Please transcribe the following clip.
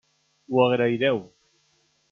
Ho agraireu.